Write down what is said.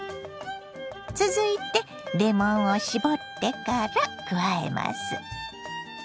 続いてレモンを搾ってから加えます。